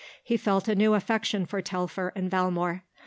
He felt a new affection for Telfer and Valmore.